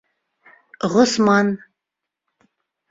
Ғосман.